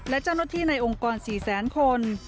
และจำหน้าที่ในองค์กร๔๐๐๐๐๐คน